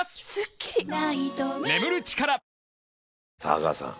阿川さん。